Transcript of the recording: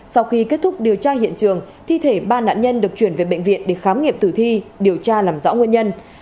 sau khi kết thúc điều tra hiện trường thi thể ba nạn nhân được chuyển về bệnh viện để khám nghiệm tử thi điều tra làm rõ nguyên nhân